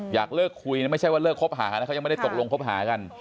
อยากเลิกคุยนะไม่ใช่ว่าเลิกคบหานะเขายังไม่ได้ตกลงคบหากัน